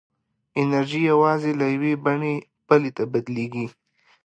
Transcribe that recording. انرژي یوازې له یوې بڼې بلې ته بدلېږي.